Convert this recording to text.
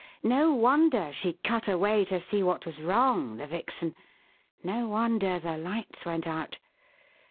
"No wonder she cut away to see what was wrong, the vixen! No wonder the lights went out!